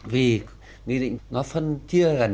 vì nghị định nó phân chia gần